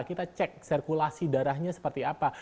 kita cek sirkulasi darahnya seperti apa